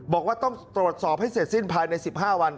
บอกว่าต้องตรวจสอบให้เสร็จสิ้นภายใน๑๕วัน